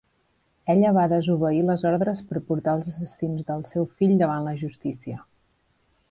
Ella va desobeir les ordres per portar els assassins del seu fill davant la justícia.